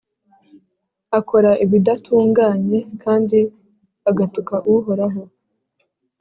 akora ibidatunganye kandi agatuka Uhoraho,